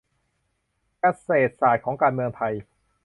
- เศรษฐศาสตร์ของการเมืองไทย